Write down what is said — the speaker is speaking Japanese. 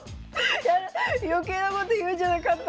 余計なこと言うんじゃなかった。